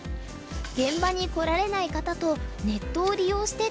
現場に来られない方とネットを利用して対局。